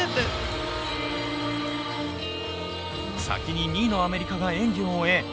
先に２位のアメリカが演技を終え